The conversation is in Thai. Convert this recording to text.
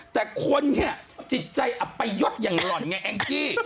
แต่คนเนี่ยจิตใจอัปยศอย่างหล่อนไงแองจี้